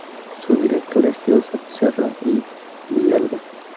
Su director es Josep Serra i Villalba.